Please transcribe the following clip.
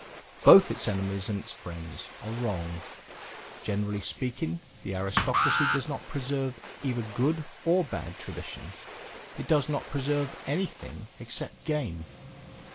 Both its enemies and its friends are wrong. Generally speaking the aristocracy does not preserve either good or bad traditions; it does not preserve anything except game.